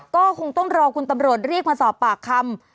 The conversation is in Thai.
ก็คงต้องรอคุณตำรวจเรียกมาสอบปากคำ